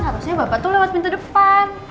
harusnya bapak tuh lewat pintu depan